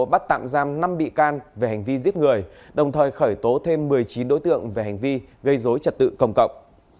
bắt tạm giam năm bị can về hành vi giết người đồng thời khởi tố thêm một mươi chín đối tượng về hành vi gây dối trật tự công cộng